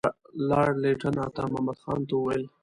لارډ لیټن عطامحمد خان ته وویل.